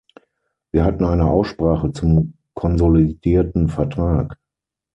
Wir hatten eine Aussprache zum konsolidierten Vertrag.